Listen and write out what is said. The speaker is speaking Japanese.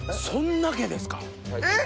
そんだけですか？